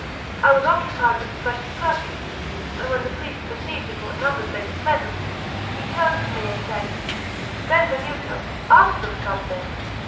I was occupied with the precious perfumes, and when the priest perceived in what numbers they were present, he turned to me and said: "Benvenuto, ask them something."